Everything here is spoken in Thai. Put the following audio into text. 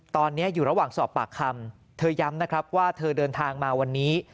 ตอนนี้อยู่ระหว่างสอบปากคำเธอย้ำนะครับว่าเธอเดินทางมาวันนี้